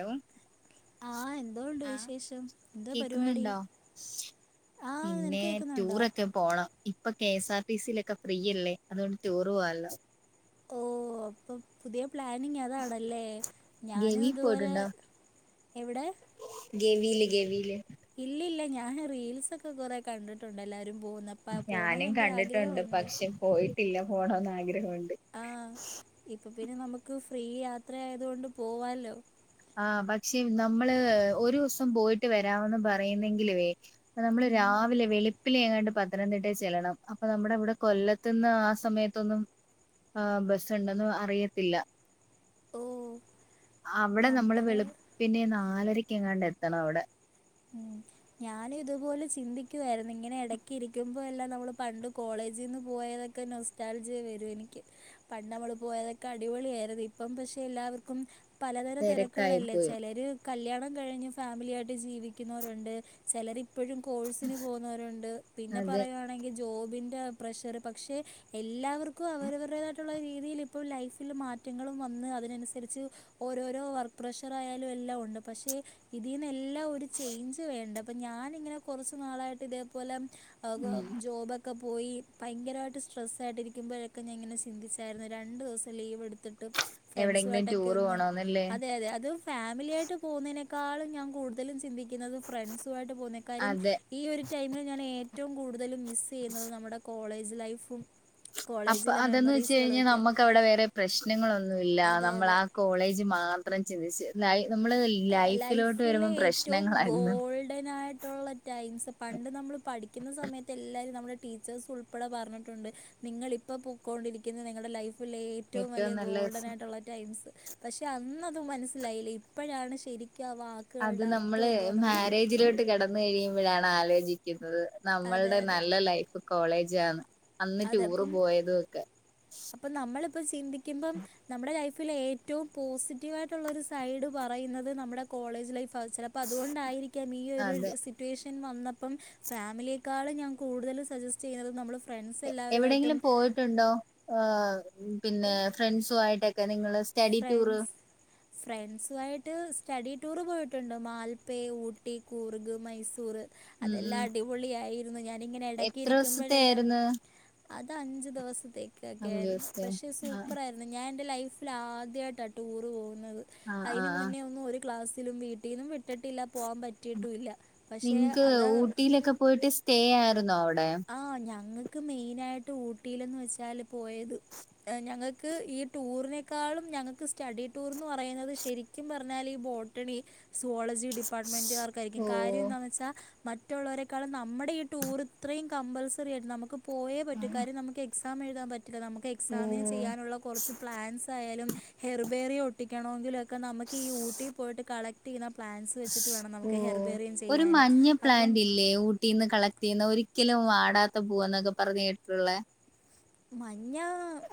Law, ആ എന്തോ ഉണ്ട് ആഹ, വിശേഷം എന്തോ പരിപാടി കേക്കുന്നുണ്ടോ? ആ പിന്നെ.. നിനക്ക് കേൾക്കുന്നുണ്ടോ ടൂറൊക്കെ... പോണം. ഇപ്പൊ കെഎസ് ആർ ടി സിയിലൊക്കെ ഫ്രീയല്ലേ? അതുകൊണ്ട് ടൂറ് പോവാല്ലോ. ഓ... അപ്പൊ പുതിയ... പ്ലാനിങ് അതാണല്ലേ ഞാനും ഗവി ഇതുപോലെ എവിടെ ഗെവീല് ഗെവീല് ഇല്ലല്ല, ഞാൻ റീൽസൊക്കെ കൊറെ കണ്ടിട്ടുണ്ട് എല്ലാരും പോകുന്ന അപ്പം പോകണമെന്ന് ഞാനും ഭയങ്കര കണ്ടിട്ടുണ്ട്. ആഗ്രഹമുണ്ട് പക്ഷെ പോയിട്ടില്ല പോണന്ന് ആഗ്രഹമുണ്ട്. ആഹ് ഇപ്പൊ പിന്നെ നമുക്ക് ഫ്രീ യാത്ര ആയതോണ്ട് പോവാല്ലോ ആഹ് പക്ഷെ നമ്മള് ഒരു ദിവസം പോയിട്ട് വരാമെന്ന് പറയുന്നെങ്കിലുവേ നമ്മള് ഉം. രാവിലെ വെളുപ്പില എങ്ങാണ്ട് പത്തനംതിട്ടയി ചെല്ലണം അപ്പൊ നമ്മുടെവിടെ കൊല്ല ത്ത്ന്ന് ആ സമയത്തൊന്നും ബസ്സ് ഉണ്ടെന്ന് അറിയത്തില്ല ഓഹ് അവിടെ നമ്മള് വെളുപ്പിനെ നാലരക്ക് എങ്ങാണ്ട് എത്തണം അവിടെ ഉം. ഞാനും ഇതുപോലെ ചിന്തിക്കുവായിരുന്നു ഇങ്ങനെ ഇടക്ക ഇരിക്കുമ്പോ എല്ലാം നമ്മള് പണ്ട് കോളേജിൽ നിന്ന് പോയതൊക്കെ ഒക്കെ നോസ്റ്റാൽജ് വരും എനിക്ക് പ ണ്ട്നമ്മള് പോയതൊക്കെ അടിപൊളി ആയിര്ന് ഇപ്പം പക്ഷെ എല്ലാവർക്കും പലതരം തിരക്കായി തിരക്കുകളല്ലേ പോയി ചിലര് കല്യാണം കഴിഞ്ഞ് ഫാമിലി ആയിട്ട് ജീവിക്ക ുന്നവരുണ്ട് ചിലർ ഇപ്പോഴും കോഴ്സിന് പോകുന്നവരുണ്ട് പിന്നെ അതെ പറയ ജോബിൻ്റെ പ്രഷർ പക്ഷെ എല്ലാവർക്കും അവരവരുടേതായിട്ടുള്ള രീതി ല് ഇപ്പോൾ ലൈഫിൽ മാറ്റങ്ങളും വന്ന് അതിനനുസരിച്ച് ഓരോരോ വർക്ക് പ്രഷർ ആയാലും എല്ലാം ഉണ്ട് പക്ഷേ ഇതിൽന്ന് എല്ലാം ഒരു ചേഞ്ച് വേണ്ട അപ്പോ ഞാനിങ്ങനെ കുറച്ചു നാളായിട്ട് ഇതേപോലെ ജോബ്ക്കെ ഒക്കെ പോയി ഭയങ്കരമായിട്ട് സ്ട്രെസ്സായിട്ടിരിക്കുമ്പഴൊക്കെ ഞാനങ്ങനെ ചിന്തിച്ചായിരുന്നു രണ്ട് ദിവസം ലീവ് എടുത്തിട്ട് എവിടെയെങ്കിലും ഫ്രണ്ട്സുമായിട്ടൊക്കെ ടൂർ ഒന്നും പോണോന്നല്ലേ അതെ അതെ അതും ഫാമിലിയായിട്ട് പോകുന്നതിനേക്കാൾളും ഞാൻ കൂടുതലും ചിന്തിക്കുന്നത് ഫ്രണ്ട്സു മായിട്ട് പോകുന്നേക്കാര്യം അതെ ഈ ഒരു ടൈമിൽ ഞാൻ ഏറ്റവും കൂടുതലും മിസ്സ് ചെയ്യുന്നത് നമ്മുടെ കോളേജ് ലൈഫും അപ്പൊ കോളേജിലെ അതെന്ന് വെച്ച് മെമ്മറീസുകളും കഴിഞ്ഞാൽ ഒക്കെയാണ് നമ്മക്ക് നമ അവിടെ വേറെ പ്രശ്നങ്ങളൊന്നുമല്ല അതെ നമ്മൾ ആ അതെ കോളേജ് മാത്രം ചിന്തിച്ച ലൈ നമ്മള് ലൈഫിലോട്ട് വരുമ്പോ പ്രശ്നങ്ങളാരുന്നു ഉടനായിട്ടുള്ള ടൈംസ് പണ്ട് നമ്മൾ പഠിക്കുന്ന സമയത്ത് എല്ലാവരും നമ്മുടെ ടീച്ചേഴ്സ് ഉൾപ്പെടെ പറഞ്ഞിട്ടുണ്ട് നിങ്ങള് ഇപ്പോൾ പോയിക്കൊണ്ടിരിക്കുന്നത് നിങ്ങളുടെ ലൈഫിൽ ഏ റ്റവും ഏറ്റവും വലിയ നല്ല ഗോൾഡൻ ദിവസം. ആയിട്ടുള്ള ടൈംസ് പക്ഷേ അന്നതും മനസ്സിലായില്ല ഇപ്പോഴാണ് ശരിക്കവാ അത് നമ്മള് മാരേജിലോട്ട് കിട ന്ന് കഴിയുമ്പോഴാണ് ആലോചിക്കുന്നത് അതെ നമ്മളുടെ അതെ നല്ല ലൈഫ് കോളേജ് ആണ് അന്ന് ടൂറ് പോയതൊക്കെ അപ്പൊ നമ്മളിപ്പ ചിന്തിക്കുമ്പം നമ്മുടെ ലൈഫിൽ ഏറ്റവും പോസിറ്റീവ് ആയിട്ടുള്ളൊരു സൈഡ് പറയുന്നത് നമ്മുടെ കോളേജ് ലൈഫ് ചില അപ്പം അതുകൊണ്ടായിരിക്കാം ഈ അതെ ഒരുസി സിറ്റേഷൻ വന്നപ്പം ഫാമിലിയെക്കാൾ ഞാൻ കൂടുതൽ സജെസ്റ്റ് ചെയ്യുന്നത് നമ്മൾ ഫ്രണ്ട്സ് എല്ലാവരുമായിട്ടും എവിടെയെങ്കിലും പോയിട്ടുണ്ടോ പിന്നെ ഫ്രണ്ട്സുയിട്ടൊക്കെ നിങ്ങൾ ഫ്രൻസ് ഫ്രണ്ട്സുമായിട്ട് സ്റ്റഡി ടൂറ് പോയിട്ടുണ്ട് മാൽപ്പേ ഊട്ടി കൂർഗ് മൈസൂർ ഉം ഉം അതെല്ലാം അടിപൊളി ആയിരുന്നു ഞാനിങ്ങനെ ഇടക്ക് എത്ര ദിവസത്തെ ഇരിക്കുമ്പോഴെല്ലാം ആയിരുന്നു അത് അഞ്ച് ദിവസത്തേക്കൊക്കെ ആയിരുന്നു അഞ്ചുദിവസത്തെ പക്ഷെ ആ സൂപ്പർ ആയിരുന്നു ഇന്ന്ഞാൻ എൻ്റെ ലൈഫിൽ ആദ്യമായിട്ടാണ് ടൂറ് പോകുന്നത് ആ ആ ആ അതിന് മുന്നേ ഒന്നും ഒരു ക്ലാസ്സിലും വീട്ടിന്നും വിട്ടിട്ടില്ല പോവാൻ പറ്റ നിങ്ങക്ക് ഊട്ടിയിലൊക്കെ പോയിട്ട് സ്റ്റേ ആയിരുന്നോ അവിടെ ആഹ് ഞങ്ങൾക്ക് മെയിന ആയിട്ട് ഊട്ടിയിലന്ന് വെച്ചാല് പോയത് ഞങ്ങൾക്ക് ഈ ടൂറിനേക്കാളും ഞങ്ങൾക്ക് സ്റ്റഡി ടൂർന്ന് പറയുന്നത് ശരി ശെരിക്കും പറഞ്ഞാൽ ഈ ബോട്ടണി സോളജി ഡിപ്പാർട്ട്മെന്റ് ക്കാർക്കായിരിക്കും ഓ കാര്യം എന്താണെന്ന് വെച്ചാൽ മറ്റുള്ളവരെേക്കാളും നമ്മുടെ ഈ ടൂറ് കമ്പൾസറി രുന്നു നമുക്ക് പോയേ ആ പറ്റും കാര്യം നമുക്ക് എക്സാം എഴുതാൻ പറ്റില്ല നമുക്ക് ഓ എക്സാമിന് ചെയ്യാനുള്ള കുറച്ച് പ്ലാൻസ് ആയാലും ഹെർബേറി ഒട്ടിക്കണമെങ്കിലും ഒക്കെ നമുക്ക് ഈ ഊട്ടി പോയിട്ട് കള റ്റ് ചെയ്തിട്ടുള്ള പ്ലാന്ൻറ്സ് വെച്ചിട്ട് വേണം നമുക്ക് ഹെർബേറിയും ചെയ്യാനും അപ്പം ലേ വ് കുട്ടീന്ന് കളക്ട് ചെയ്യുന്ന ഒരിക്കലും വാടാത്ത പൂവ എന്നൊക്കെ പറഞ്ഞു കേട്ടിട്ടുള്ള മഞ്ഞാ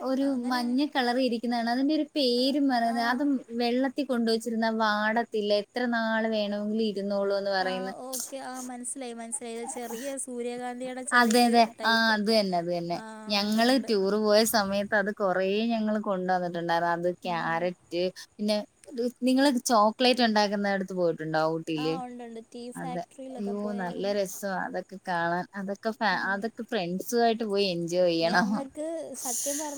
ഒരു മഞ്ഞ കളറിൽ ഇരിക്കുന്നതാണ് അതിന്റെ ഒരു ആ പേര് ആ പറയുന്നത് അതും വെള്ള ത്തി കൊണ്ടുവച്ചിരുന്ന വാടത്തില്ല എത്ര നാൾ വേണമെങ്കിലിൽ ഇരുന്നോളൂ ആ ഓക്കെ ആമനസ്സിലായി മനസ്സിലായി ചെറിയ സൂര്യകാന്തിയുടെ അതെ ചെറിയ അതെ ആ ടൈപ്പ് അത് തന്നെ അത് തന്നെ ആ ഉണ്ട് ഞങ്ങള് റ്റു ഉണ്ട് ടൂർ പോയ സമയത്ത് അത് കൊറേ ഞങ്ങൾ കൊണ്ട് വന്നിട്ടുണ്ടായിരുന്നു അത് ഉം. ക്യാരറ്റ് പിന്നെ നിങ്ങൾ ചോക്ലേറ്റ് ഉണ്ടാക്കുന്ന അടുത്ത് പോയിട്ടുണ്ടാവോ ആ ഉണ്ട് ഉണ്ട് ടീ ഊട്ടിയില്അ തെ ഫാക്ടറിയിലൊക്കെ അയ്യോ നല്ല പോയായിരുന്നു രസ അതൊക്കെ കാണാൻ അതൊക്കെ ഫ ഉം. അതൊക്കെ ഫ്രണ്ട്സ് ആയിട്ട് ഒറ്റക്ക് പോയി എൻജോയ് ചെയ്യണം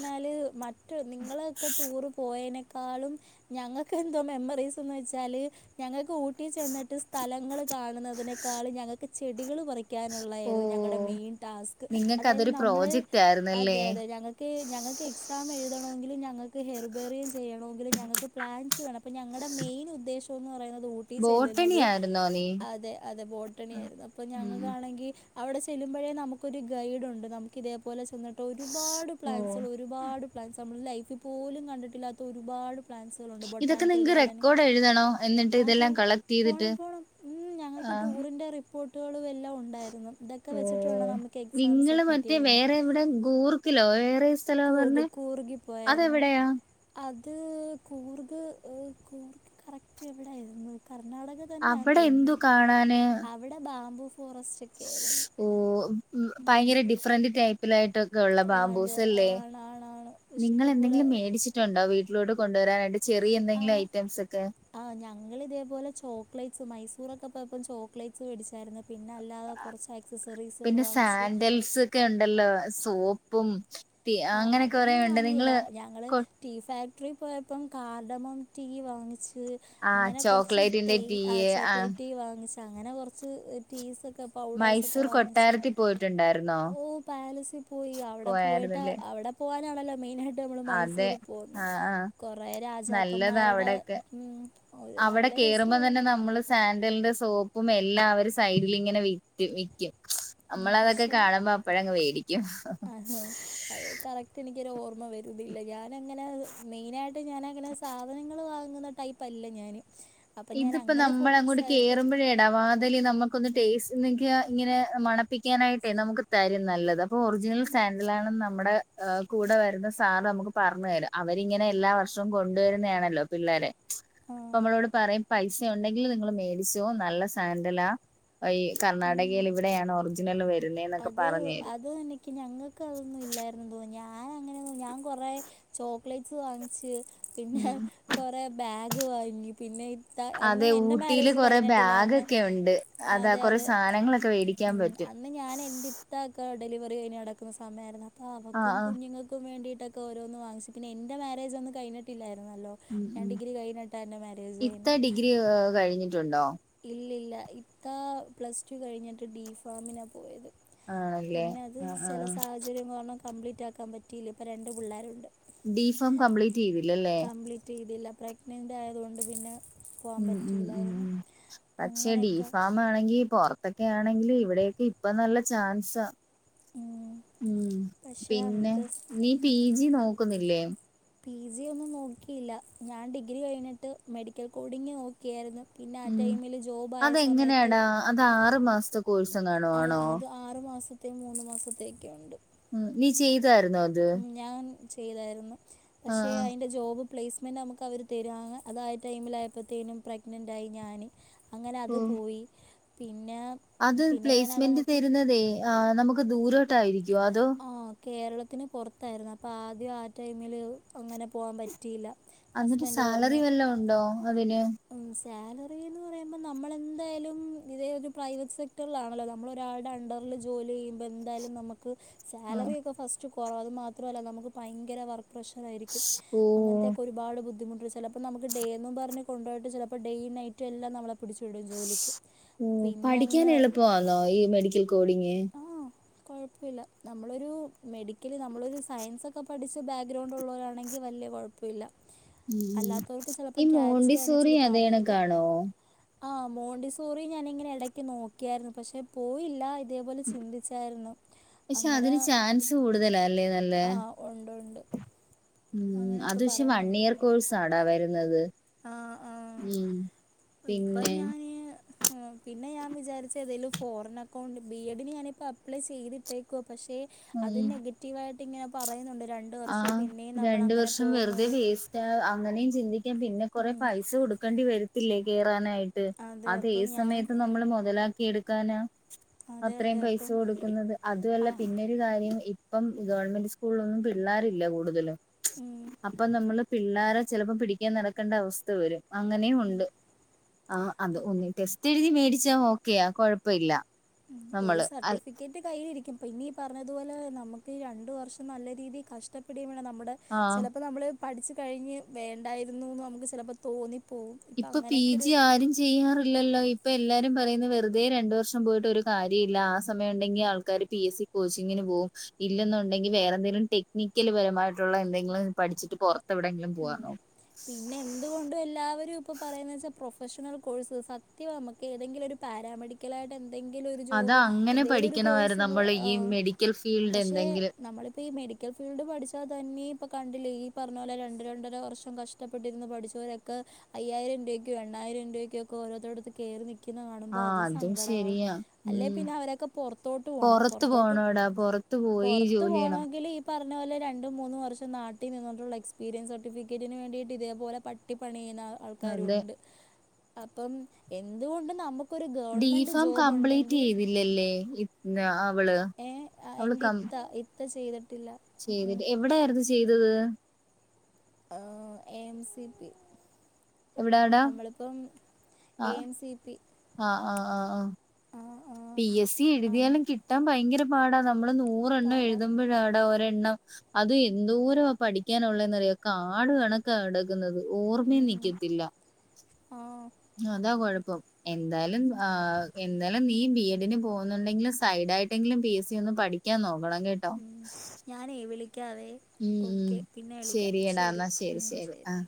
എന്നാല്മറ്റ്നിങ്ങൾ ഒക്കെടൂർ പോയേനെ ക്കാളും ഞങ്ങൾക്ക് എന്തോ മെമ്മറീസ് എന്ന് വെച്ചാല് ഞങ്ങൾക്ക് ഊട്ടി ചെന്നിട്ട് സ്ഥലങ്ങള് കാണുന്നതിനേക്കാളും ഞങ്ങൾക്ക് ചെടികൾ പറി ഓ പറിക്കാനുള്ളതായിരുന്നു ഞങ്ങളുടെ മെയിൻ ടാസ്ക് നിങ്ങക്ക് അതായത് അതൊരു നമ്മൾ പ്രോജക്റ്റ് ആയിരുന്നല്ലേ അതെ അതെ ഞങ്ങൾക്ക് ഞങ്ങൾക്ക് എക്സ് എക്സാം എഴുതമെങ്കിലും ഞങ്ങൾക്ക് ഹെർബേറിയ ചെയ്യണമെങ്കില ഞങ്ങൾക്ക് പ്ലാൻസ് വേണം ഞങ്ങളുടെ മെയിൻ ഉദ്ദേശം എന്ന് പറയുന്നത് ഉ ഊട്ടി ബോട്ടണി ചെല്ലുന്നത് ആയിരുന്നോ നീ അതെ അതെ ബോട്ടണി ആയിരുന്നു അപ്പൊ ഞങ്ങൾ ഉം കാണെങ്കിൽ അവിടെ ചെല്ലുമ്പോഴേ നമുക്കൊരു ഗൈഡ് ഉണ്ട് നമുക്ക് ഇതേപോലെ ചെന്നിട്ട് ഒരുപാട് ഓ പ്ലാൻസ് ഒരുപാട് പ്ലാൻസ് നമ്മൾ ലൈഫിൽ പോലും കണ്ടിട്ടില്ലാത്ത ഒരുപാട് പ്ലാൻസ് ഇതൊക്കെ ബൊട്ടാണിക്കൽ നിങ്ങക്ക് ഗാർഡൻ റെക്കോർഡ് എഴുതണോ എന്നിട്ട് അതെ ഇതെല്ലാം കളക്ട് ചെയ്തിട്ട് പോണം പോണം മം ആ ഞങ്ങൾക്ക് ടൂറിൻ്റെ റിപ്പോർട്ട് കള് എല്ലാം ഉണ്ടായിരുന്നു ഇതൊക്കെ ഓ വെച്ചിട്ട് വേണം നമുക്ക് എക്സാം സബ്മിറ്റ് ചെയ്യാൻ ഇവിടെ ഗൂർക്കിലോ വേറെ സ്ഥല കൂർഗ് പറഞ്ഞെ കൂർഗിൽ പോയായിരുന്നു അതെവിടെയാ അത് കൂർഗ് കൂർഗ്കറക്റ്റ് എവിടൊയിരുന്നു കർണാടക അവിടെ എന്തു കാണാന് അവിടെ ബാബു ഫോറസ്റ്റ് ഓ മം ഭയങ്കര ഡിഫ്റന്റെ ടൈപ്പിലായിട്ടോക്കെള്ള അത് ബാബുസ് ആണാണാണ് ഇഷ്ടംപോലെ ലനിങ്ങൾഎന്തെങ്കിലും മേടിച്ചിട്ടുണ്ടോ വീട്ടിലോട്ട് കൊണ്ടുവരാനായിട്ട് ചെറിയ ആ എന്തെങ്കിലും ഐറ്റംസ് ഒക്കെ ആ ഞങ്ങൾ ഇതേപോലെ ചോക്ലേറ്റ്സ് മൈസൂർൊക്കെ ഇപ്പ ചോക്ലേറ്റ്സ് മേടിച്ചായിരുന്നു പിന്നെ അല്ലാതെ കുറച്ച് ആക്സസറീസുകൾ പിന്നെ വാങ്ങിച്ച് സാൻഡൽസ് ഒക്കെ ഉണ്ടല്ലോ സോപ്പും ആ അങ്ങനെയൊക്കെ കുറ അതൊന്നും ഉണ്ട് വാങ്ങിയില്ല നിങ്ങള് ഞങ്ങൾ ടീ ഫാക്ടറിൽ പോയപ്പം കാർഡമോം ടീ വാങ്ങിച്ച് ആ അങ്ങനെ കുറച്ച് ചോക്ലേറ്റിന്റെ തേ ടീയ് ആ ചോക്ലേറ്റ് വാങ്ങിച്ച അങ്ങനെ കുറച്ച് ടീസ്ക്കെ മൈസൂർ കൊട്ടാരത്തിൽ പോയിട്ടുണ്ടായിരുന്നു ഓ പാലസിൽ പോയി അവിടെ പോയിട്ട് പോയായിരുന്നല്ലേ അവിടെ പോവാനാണല്ലോ മെയിൻ ആയിട്ട് നമ്മള് അതെ മൈസൂർ പോകുന്ന ആ ആ കൊറേ നല്ലതാ രാജാക്കന്മാരുടെ അവിടെക്കെ മം അവിടെ കേറുമ്പോ തന്നെ നമ്മള് സാന്ൻഡലിന്റെ സോപ്പും എല്ലാം അവര് സൈഡിലിങ്ങനെ വി വിൽക്കും നമ്മള് അതൊക്കെ പക്ഷേ കാണുമ്പോ അപ്പഴങ്ങ് മേടിക്കും ആഹാ. അത് കറക്റ്റ് എനിക്കരു ഓർമ്മ വരുന്നില്ല ഞാന അങ്ങനെ മെയിനായിട്ട് ഞാനങ്ങനെ സാധനങ്ങൾ വാങ്ങുന്ന ടൈപ്പ് അല്ല ഞാന് ഇതിപ്പോ നമ്മൾ അങ്ങോട്ട് കേറുമ്പോഴേ ഇടവാതൽ നമുക്കൊന്ന് ടേസ്റ്റ്ക്ക ഇങ്ങനെ മണപ്പിക്കാനായിട്ടേ നമുക്ക് തരും നല്ലത് ഇപ്പൊ ഒറിജിനൽ സാന്ൻഡില ആണെന്ന് നമ്മുടെ കൂടെ വരുന്ന സാറ് നമുക്ക് പറഞ്ഞു തരാം അവരിങ്ങനെ എല്ലാ വർഷവും കൊണ്ടുവരുന്നതാണല്ലോ പിള്ളേരെെ ആ, അപ്പ നമ്മളോട് പറയും പൈസ ഉണ്ടെങ്കിൽ നിങ്ങൾ മേടിച്ചോ നല്ല സാൻഡല ആ ഈ കർണാടകൽ ഇവിടെയാണ് ഒറിജിനൽ വരുന്നത് അത് അത് എനിക്ക് ഞങ്ങൾക്ക് അതൊന്നും ഇല്ലായിരുന്നു തോന്നി ഞാൻ അങ്ങനെ ഞാൻ കുറേ ചോക്ലേറ്റ്സ് വാങ്ങിച്ച് പിന്നെ ഉം കുറെ ബാഗ് വാങ്ങി പിന്നെ അന്ന് എന്റെ മാരേജ് കഴിഞ്ഞിട്ടില്ല അന്ന് ക്കെ ഉണ്ട് അതാ കുറെ സാധനങ്ങളൊക്കെേമടിക്ക മ അന്ന് ഞാൻ എൻ്റെ ഇത്തക്ക ഡെലിവറി അ നടക്കുന്ന സമയമായിരുന്നു. അപ്പോൾ ആഹ് അവക്ക ആഹ് കുഞ്ഞങ്ങൾക്കും വേണ്ടിട്ടൊക്കെഓരോന്ന് വാങ്ങിച്ച പിന്നെ എ്റെ മാര്ജ ഒന്നും കഴിട്ടില്ലായിരുന്നല്ലോ ഉം ഞാൻ ഉം ഡിഗ്രി കഴിഞ്ഞിട്ടാണ് എൻ്റെ മാരജ് കഴിന് ഇത്ത ഡിഗ്രി കഴിഞ്ഞിട്ടുണ്ടോ ഇല്ലല്ല ഇത്ത പ്ലസ് ടു കഴിഞ്ഞിട്ട് ഡി ഫാമിനാ പോയത ആണല്ലേ പിന്നെ അത് ആഹ് ചില ആഹ് സാഹചര്യം കാരണം കംപ്ലീറ്റ് ആാക്കാൻ പറ്റിയില്ല ഇപ്പം രണ്ട് പിള്ളേരുണ്ട് ഡി ഫാം കംപ്ലീറ്റ് ചെയ്തില്ലല്ലേ കംപ്ലീറ്റ് ചെയില്ല ആയതുകൊണ്ട് പിന്നെ പോകാൻ ഉം ഉം ഉം പറ്റിയില്ലായിരുന്നു ഉം പക്ഷെ ഡി അങ്ങനെയൊക്കെ ഫാമ്മ് ആണെങ്കി പുറത്തൊക്കെ ആണെങ്കിൽ ഇവിടെൊക്കെ ഇപ്പ നല്ല ചാൻസ ഉം. മ് പക്ഷേ പിന്നെ അന്നത്തെ സ്- നീ പി ഉം. ജി നോക്കുന്നില്ലേ? പി ജി ഒന്നും നോക്കിയില്ല ഞാൻ ഡിഗ്രി കഴിഞ്ഞിട്ട് മെഡിക്കൽ കോഡിങ്ങ് നോ ഒക്കെയായിരുന്നു പിന്നെ ആ ഉം ടൈമിൽ ജോബായ സമയത്ത് അതെങ്ങനെയാടാ അത് ആറു മാസത്തെകോഴ്സ് എങ്ങാനം അത് ആണോ അത് ആറ് മാസത്തെയ മൂന്ന് മാസത്തെയൊക്കെയ മ് നീ ചെയ്തായിരുന്നോ അത് ഞാൻ ചെയ്തായിരുന്നു പക്ഷേ ആഹ് അതിന്റെ ജോബ് പ്ലേസ്മെന്റ് നമുക്ക് അവർ തരുവാ അതായ ടൈമിലായയപ്പോഴത്തേനും പ്രഗ്നന്റയി ഞാൻ അങ്ങനെ അത് ഓഹ് പോയി പിന്നെ അത് പിന്നെ പ്ലേസ്മെന്റ് ഞാനതങ്ങോട്ട് തരുന്നതേ ആ നമുക്ക് ദൂരോട്ടായിരിക്കോ അതോ ആ കേരളത്തിന് പുറത്തായിരുന്നു അപ്പോം ആദ്യം ആ ടൈമിൽ അങ്ങനെ പോകൻ പറ്റിയില്ല അതിട്ട് ഹസ്ബൻഡ് സാലറി പറഞ്ഞു വല്ല ഉണ്ടോ അതിന് സാലറി എന്ന് പറയുമ്പോൾ നമ്മൾെന്തായാലും ഇതേ ഒരു പ്രൈവറ്റ് സെക്ടറിലാണല്ലോ നമ്മൾ ഒരാളുടെ ഉണ്ടോ ജോലി ചെയ്യുമ്പോ എന്തായാലും നമുക്ക് ആഹ് സാലറി ഒക്കെ ഫസ്റ്റ് കുറവ അത് മാത്രല്ല നമുക്ക് ഭയങ്കര വർക്ക് പ്രഷർ ആയിരിക്കും ഓഹ് അങ്ങനത്തെൊക്കെ ഒരുപാട് ബുദ്ധിമുട്ട് ചിലപ്പോൾ നമുക്ക് ഡേ എന്നന്ന് പറഞ് കൊണ്ടു പോയിട്ട് ചിലപ്പോൾ ഡെയ നൈറ്റ് എല്ലാം നമ്മളെ പിടിച്ചു വിടും ജോലിക്ക് ഓഹ് പിന്നെ പഠിക്കാൻ അങ്ങ് [unintelligible] ഈ മെഡിക്കൽ കോഡിങ് ആ കുഴപ്പമില്ല നമ്മളൊരു മെഡിക്കല് നമ്മളൊരു സയൻസൊക്കെ പഠിച്ച് ബാക്ക്ഗ്രൗണ്ട്ള്ളവരാണെങ്കിൽ വലിയ കുഴപ് ഇല്ല ല്ല ഉം അല്ലാത്തവർക്ക് ചിലപ്പോം ഈ ക്യാച്ച് മോണ്ടിസോറി ചെയ്യാൻച്ചിരി അതേ പാടായിരിക്കും കണക്കാണോ ആഹ മോണ്ടിസോറി ഞാനിങ്ങനെ ഇടയ്ക്ക് നോക്കിയായിരുന്നു പക്ഷെ പോയില് അതേപോലെ ചിന്തിച്ചായിരുന്നു പക്ഷെ അങ്ങനെ അതിന് ചാൻസ് കൂടുതലാല്ലേ നല്ല ആഹ് ഉണ്ട് ഉണ്ട് മ് അങ്ങനെയൊക്കെ അത് പക്ഷെ വൺ ഇയർ കോഴ്സ്ടാ വരുന്നത് ആ ആ മ് ഇപ്പൊ ഞാന് പിന്നെ ഞാൻ വിചാരിച്ച ഏതേലും ഫോറിൻ അക്കൗണ്ട് ബി എഡിന് ഞാനിപ്പോ അപ്ലൈ ചെയ്തിട്ടേക്കുവ പക്ഷെ അത് ഉം നെഗറ്റീവ ആയിട്ട് ഇങ്ങനെ പറയുന്നുണ്ട് രണ്ട വർഷം ആഹ് പിന്നെയും നമ്മൾ രണ്ട് അങ്ങനെ വർഷം വെറുതെ പോകുന്നത് വേസ്റ്റ് അങ്ങനെയും ചിന്തിക്കൻ പിന്നെ കൊറെേ ഉം പൈസ കൊടുക്കേണ്ടി വരത്തില്ലേ കേറാനായിട്ട് അതെ അത് ഏ അപ്പം ഞാൻ സമയത്ത് നമ്മള് മുതലാക്കി എടുക്കാനാ അതെ അത്രയും അതെ പൈസ അപ്പം കൊടുക്കുന്നത് അതുമല്ല ആഹ് പിന്നെരു കാര്യം ഇപ്പം ഗവൺമെന്റ് സ്കൂളിലൊന്നും പിള്ളാരില്ല കൂടുതലും ഉം അപ്പൊ നമ്മള് പിള്ളേരെ ചിലപ്പോ പിടിക്കാൻ നടക്കേണ്ട അവസ്ഥ വരും അങ്ങനെയ ഉണ്ട് ആഹ് അത് ഒന്ന ടെസ്റ്റ് എഴുതി മേടിച്ചാ ഓക്കെയാ കൊഴപ്പല്ല.... ഒരു സർട്ടിഫിക്കറ്റ് കയ്യിലിരിക്കും. അപ്പോം ഇന്നീ പറഞ്ഞതുപോലെ നമുക്ക് രണ്ട് വർഷം നല്ല രീതിയിൽ കഷ്ടപ്പെടുകയും വേണം നമ്മുടെ ആഹ് ചിലപ്പോ നമ്മൾ പഠിച്ച് കഴിഞ്ഞ് വേണ്ടായിരുന്നുന്ന് നമുക്ക് ചിലപ്പോ തോന്നി ഇപ്പൊ പി ജി ആരും. ചെയ്യാറില്ലല്ലോ ഇപ്പൊ എല്ലാരും പറയുന്നത് വെറുതെ രണ്ട വർഷം പോയിട്ട് ഒരു കാര്യല്ല ആ സമയം ഉണ്ടെങ്കിൽആൾക്കാര് പി എസ് സ കോച്ചിങ്ങിന് പോകും ഇല്ലെന്നുണ്ടെങ്കിൽ വേറെന്തെങ്കിലും ടെക്നിക്കൽ പരമായിട്ടുള്ള എന്തെങ്കിലും പഠിച്ചിട്ട് പൊറ തെഎവിടെയങ്കില ഉം പോവാനോ പിന്നെ എന്തുകൊണ്ടും എല്ലാവരും ഇപ്പോ പറയുന്നത് വെച്ചാൽ പ്രൊഫഷണൽ കോഴ്സ് സത്യം നമുക്ക് ഏതെങ്കിലും ഒരു പാരാമെഡി ക്കലായിട്ട് എന്തെങ്കിലും ഒരു അതാ ജോബ് അങ്ങനെ എന്തെിലും ഒരു കോഴ്സ് പഠിക്കണമായിരുന്നു പോ നമ്മൾ ഈ ആഹ് മെഡിക്കൽ ഫീൽഡ് പക്ഷെ എന്തെങ്കിലും നമ്മളിപ്പ ഈ മെഡിക്കൽ ഫീൽഡ് പഠിച്ചത് തന്നെ ഇപ്പ കണ്ടില്ലേ ഈ പറഞ്ഞ പോലെ രണ്ട് പ രണ്ടര വർഷം കഷ്ടപ്പെട്ടിരുന്നു പഠിച്ചവരൊക്കെ അയായിരം രൂപക്കോ എണയിരം രൂപക്ക ഒക്കെഓരോത്തോടുത്ത് കയറി നിക്ക ക്കുന്നെ കാണുമ്പോ ആ അതും സങ്കടവും ശരിയാ അല്ലെ ഉം പിന്നെ അവരൊക്കെ പോറത്തോട്ട് പോണം പുറത്ത് പൊറത്തോട്ട് പോണോടാ പുറത്ത് പോയി പൊറത്തു ജോലി ചെയ്യണം പോകണങ്കില് ഈ പറഞ്ഞ പോലെ രണ്ടും മൂന്നും വർഷം നാട്ടീ നിങ്ങോട്ടുള്ള എക്സ്പ എക്സ്പീരിയൻസ് സർട്ടിഫിക്കറ്റിന് വേണ്ടിയിട്ട് ഇതേപോലെ പട്ടിപ്പണി ചെയ്യുന്ന ആൾക്കാരും അതെ ഉണ്ട് അപ്പം എന്തുകൊണ്ട് നമുക്ക് ഒരു ഗവൺമെന്റ് ഡിഫാം ജോബ് കംപ്ലീറ്റ് ഉണ്ടെങ്കിഏഹ് ചെയ്തില്ലല്ലേ ഇത്- അവള് എറെ ഇത്ത താ ചെയ്തിട്ടില്ല ചെയ്തി് എവിടെയായിരുന്നു ചെയ്തത് ആഹ് എ എം സി പി എവിടാടാ നമ്മളിപ്പം ആ എം സി പി ആഹ് ആഹ് ആഹ് ആഹ് ആ പി എസ് സി ആ എഴുതിയാലും കിട്ടാൻ ഭയങ്കര പാടാ നമ്മള് നൂറെ എണ്ണം പാട എഴുതുമ്പോഴാടാ ഒരെണ്ണം അത് എന്തോര ആ പഠിക്കാനുള്ളെന്നറിയക്കെ ആട്കണ കടക്കുന്നത് ഓർമ്മയും നിൽക്കത്തില്ല ആഹ് അതാ കുഴപ്പം എന്തായാലും ആ്ഹ് എന്തായാലും നീ ബി എഡിന് പോകുന്നുണ്ടെങ്കില് സൈഡ് ആയിട്ടെങ്കിലും പി എസ് സി ഒന്ന് പഠിക്ക ക്കാൻ നോക്കണം കേട്ട ഞാനേ വിളിക്കാവേ ഉമ് ഓക്കെ പിന്നെ വിളിക്കാം ശരി എടാ എന്നാ ശരി ശരി ആഹ്